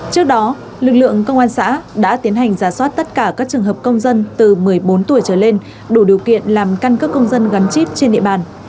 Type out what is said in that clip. trước đó lực lượng công an xã đã tiến hành giả soát tất cả các trường hợp công dân từ một mươi bốn tuổi trở lên đủ điều kiện làm căn cước công dân gắn chip trên địa bàn